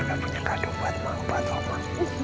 aku juga punya kado buat mama